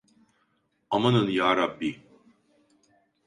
Amanın Yarabbi!